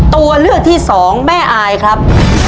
ตัวเลือกที่สองแม่อายครับ